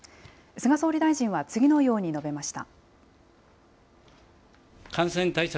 菅総理大臣は次のように述べました。